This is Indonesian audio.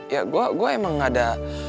ya gue emang ada